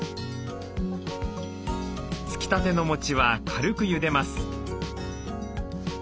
つきたてのもちは軽くゆでます。